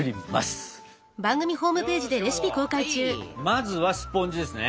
まずはスポンジですね。